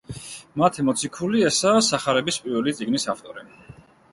მათე მოციქული ესაა სახარების პირველი წიგნის ავტორი.